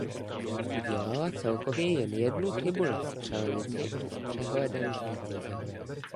Udělala celkově jen jednu chybu na střelnici a s přehledem zvítězila.